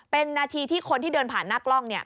เป็นนาทีที่คนที่เดินผ่านหน้ากล้อง